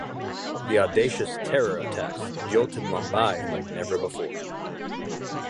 The audacious terror attacks jolted Mumbai like never before.